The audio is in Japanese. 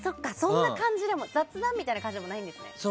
雑談みたいな感じでもないんですね。